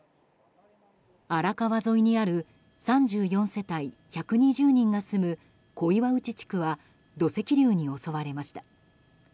荒川沿いにある３４世帯１２０人が住む小岩内地区は土石流に襲われました。